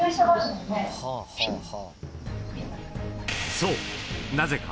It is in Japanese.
［そうなぜか］